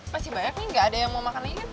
pasti banyak nih gak ada yang mau makan ini kan